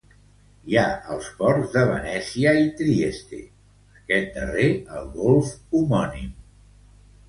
Hi ha els ports de Venècia i Trieste, aquest darrer al golf homònim.